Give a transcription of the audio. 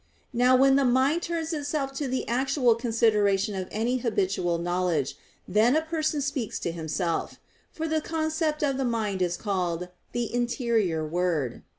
Now when the mind turns itself to the actual consideration of any habitual knowledge, then a person speaks to himself; for the concept of the mind is called "the interior word."